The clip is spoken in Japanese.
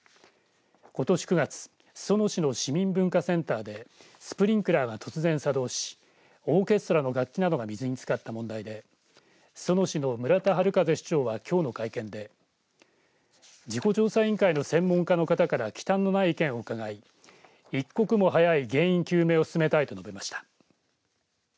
ことし９月裾野市の市民文化センターでスプリンクラーか突然作動しオーケストラの楽器などが水につかった問題で裾野市の村田悠市長はきょうの会見で事故調査員の専門家の方からきたんのない意見をうかがい一刻も早い原因究明を進めたいと述べました。